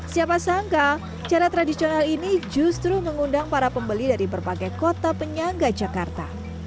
siapa sangka cara tradisional ini justru mengundang para pembeli dari berbagai kota penyangga jakarta